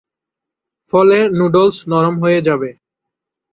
ফলে নুডলস নরম হয়ে যাবে।